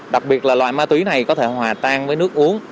đặc biệt là loại ma túy này có thể hòa tan với nước uống